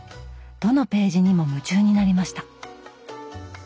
どのページにも夢中になりました。